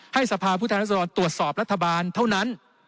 ให้สภาพภูมิไทยรัฐธรรมตรวจสอบรัฐบาลเท่านั้น